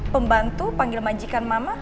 pembantu panggil majikan mama